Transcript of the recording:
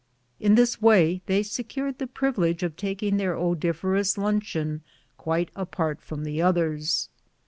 In this way they secured the privilege of taking their odoriferous luncheon quite apart from the others.